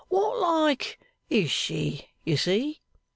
'What like is she, you see?